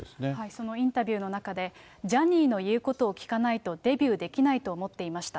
そのインタビューの中で、ジャニーの言うことを聞かないとデビューできないと思っていました。